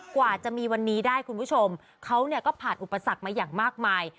กว่าจะมีวันนี้ได้คุณผู้ชมเขาก็ผ่านอุปสรรคมาอย่างมากมาย